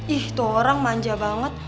ih tuh orang manja banget